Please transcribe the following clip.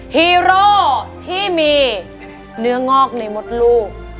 ฮีโร่ที่มีเนื้องอกในมดลูก